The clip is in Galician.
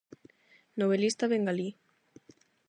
Novelista bengalí.